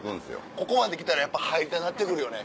ここまで来たらやっぱ入りたなってくるよね。